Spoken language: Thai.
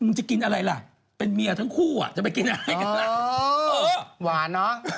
จะกินอะไรล่ะเป็นเมียทั้งคู่อ่ะจะไปกินอะไรกันล่ะหวานเนอะ